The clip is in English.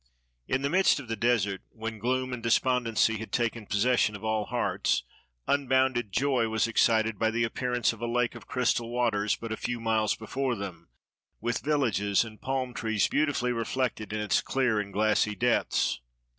In the midst of the desert, when gloom and despond ency had taken possession of all hearts, unbounded joy 216 THE BATTLE OF THE PYRAMIDS was excited by the appearance of a lake of crystal water but a few miles before them, with villages and palm trees beautifully reflected in its clear and glassy depths.